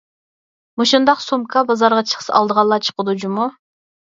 مۇشۇنداق سومكا بازارغا چىقسا ئالىدىغانلار چىقىدۇ جۇمۇ.